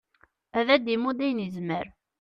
ad d-imudd ayen yezmer